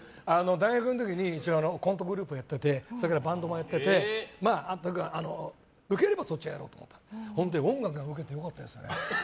大学の時にコントグループをやっててそれでバンドマンやっててウケればそっちをやろうと思ってたんだけど音楽がウケて良かったですよ。